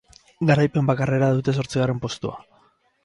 Garaipen bakarrera dute zortzigarren postua.